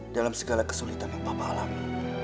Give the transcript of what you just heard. dalam segala kesulitan yang bapak alami